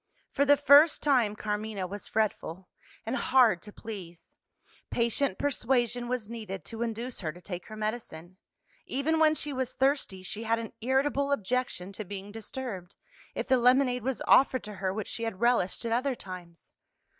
For the first time, Carmina was fretful, and hard to please: patient persuasion was needed to induce her to take her medicine. Even when she was thirsty, she had an irritable objection to being disturbed, if the lemonade was offered to her which she had relished at other times.